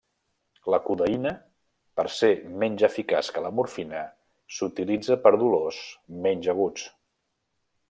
La codeïna, per ser menys eficaç que la morfina, s'utilitza per dolors menys aguts.